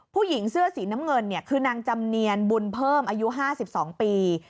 ผู้หญิงเสื้อสีน้ำเงินคือนางจำเนียนบุญเพิ่มอายุ๕๒ปี